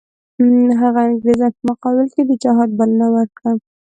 هغه انګریزانو په مقابل کې د جهاد بلنه ورکړه.